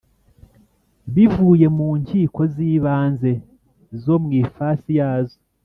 bivuye mu Nkiko z Ibanze zo mu ifasi yazo